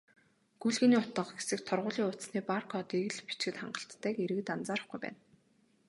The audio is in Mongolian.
"Гүйлгээний утга" хэсэгт торгуулийн хуудасны бар кодыг л бичихэд хангалттайг иргэд анзаарахгүй байна.